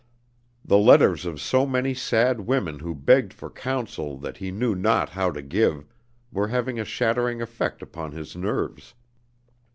The letters of so many sad women who begged for counsel that he knew not how to give, were having a shattering effect upon his nerves.